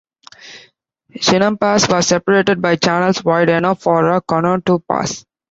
Chinampas were separated by channels wide enough for a canoe to pass.